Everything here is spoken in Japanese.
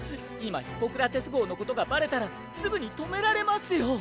今ヒポクラテス号のことがバレたらすぐに止められますよ。